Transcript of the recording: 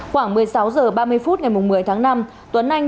khoảng một mươi sáu h ba mươi phút ngày một mươi tháng năm